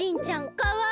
かわいい！